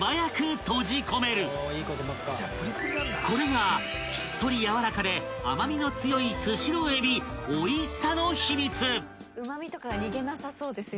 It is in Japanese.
［これがしっとり軟らかで甘味の強いスシローえびおいしさの秘密］